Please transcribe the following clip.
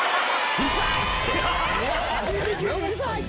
うるさい！